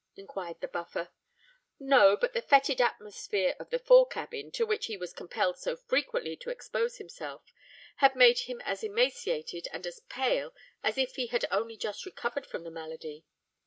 inquired the Buffer. "No: but the fœtid atmosphere of the fore cabin, to which he was compelled so frequently to expose himself, had made him as emaciated and as pale as if he had only just recovered from the malady.